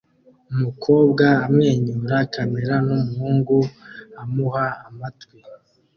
Umukobwa amwenyura kamera numuhungu amuha amatwi